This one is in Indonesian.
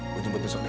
gue jemput besok deh